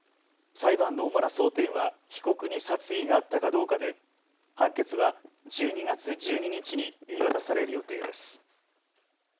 裁判の主な争点は被告に殺意があったかどうかで判決は１２月１２日に言い渡される予定です。